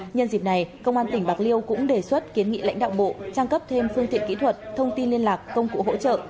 nhân dịp này công an tỉnh bạc liêu cũng đề xuất kiến nghị lãnh đạo bộ trang cấp thêm phương tiện kỹ thuật thông tin liên lạc công cụ hỗ trợ